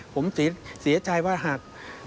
ผมเสียใจว่าหาก